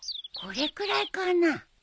これくらいかな。